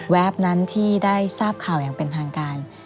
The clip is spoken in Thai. นั้นที่ได้ทราบข่าวอย่างเป็นทางการ